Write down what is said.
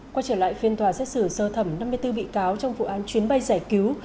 quay trở lại phiên tòa xét xử sơ thẩm năm mươi bốn bị cáo trong vụ án chuyến bay giải cứu